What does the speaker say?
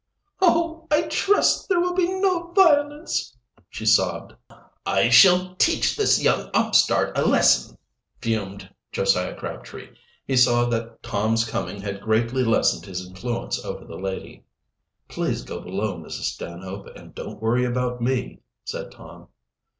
"Oh, I trust there will be no violence!" she sobbed. "I shall teach this young upstart a lesson," fumed Josiah Crabtree. He saw that Tom's coming had greatly lessened his influence over the lady. "Please go below, Mrs. Stanhope, and don't worry about me," said Tom.